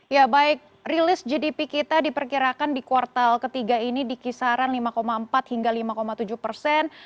ya baik rilis gdp kita diperkirakan di kuartal ketiga ini di kisaran lima empat hingga lima tujuh persen